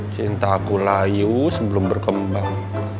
cinta aku layu sebelum berkembang